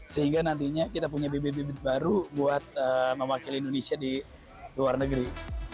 sehingga nantinya kita punya bibit bibit baru buat mewakili indonesia di luar negeri